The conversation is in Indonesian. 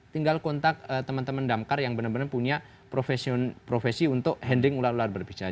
tinggal kontak teman teman damkar yang benar benar punya profesi untuk handing ular ular berbicara